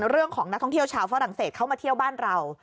เรื่องของนักท่องเที่ยวชาวฝรั่งเศสเข้ามาเที่ยวบ้านเรา